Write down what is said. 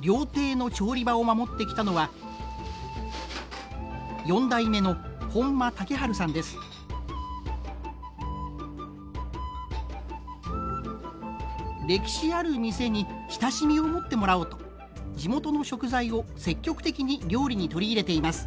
料亭の調理場を守ってきたのは歴史ある店に親しみを持ってもらおうと地元の食材を積極的に料理に取り入れています。